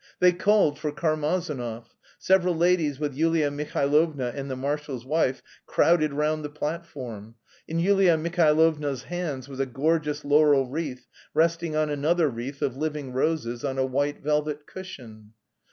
They called for Karmazinov. Several ladies with Yulia Mihailovna and the marshal's wife crowded round the platform. In Yulia Mihailovna's hands was a gorgeous laurel wreath resting on another wreath of living roses on a white velvet cushion.